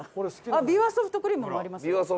あっびわソフトクリームもありますよ。